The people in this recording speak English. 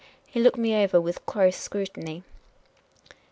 He looked me over with close scrutiny.